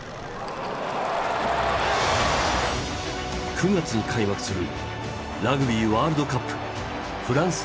９月に開幕するラグビーワールドカップフランス大会。